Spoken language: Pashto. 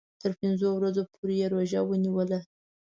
تر پنځو ورځو پوري یې روژه ونیوله.